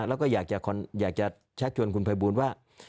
แล้วก็อยากจะชักชวนคุณภัยบูลว่า